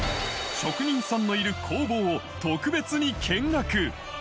職人さんのいる工房を特別に見学。